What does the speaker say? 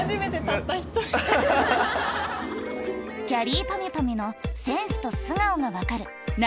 きゃりーぱみゅぱみゅのセンスと素顔が分かる９